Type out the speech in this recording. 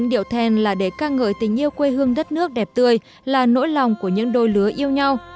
điệu then là để ca ngợi tình yêu quê hương đất nước đẹp tươi là nỗi lòng của những đôi lứa yêu nhau